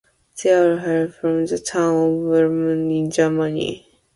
They all hail from the town of Hamelin in Germany.